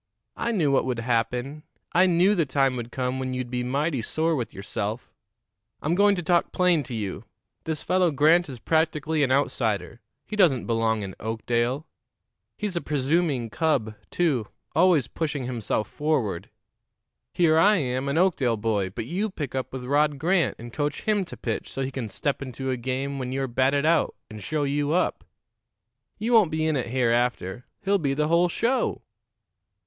I knew what would happen. I knew the time would come when you'd be mighty sore with yourself. I'm going to talk plain to you. This fellow Grant is practically an outsider; he doesn't belong in Oakdale. He's a presuming cub, too always pushing himself forward. Here I am, an Oakdale boy, but you pick up with Rod Grant and coach him to pitch so he can step into a game when you're batted out and show you up. You won't be in it hereafter; he'll be the whole show."